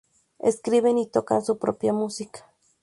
Escriben y tocan su propia música.